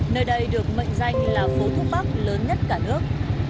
nơi đây được mệnh danh là phố thuốc bắc lớn nhất cả nước